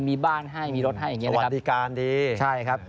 มีบ้านให้มีรถให้อย่างนี้นะครับ